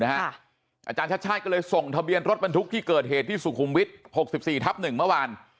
อาจารย์ชาติชาติก็เลยส่งทะเบียนรถบรรทุกที่เกิดเหตุที่สุขุมวิทย์๖๔ทับ๑เมื่อวาน